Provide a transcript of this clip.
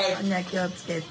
気を付けて。